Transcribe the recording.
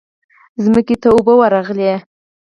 ځمکې ته اوبه ورغلې.